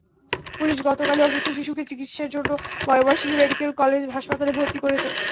Police গতকালই অসুস্থ শিশুকে চিকিৎসার জন্য ময়মনসিংহ মেডিকেল কলেজ হাসপাতালে ভর্তি করেছে।